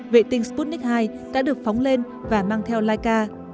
vệ tinh sputnik hai đã được phóng lên và mang theo laika